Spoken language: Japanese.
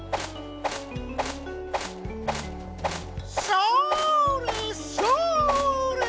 それそれ！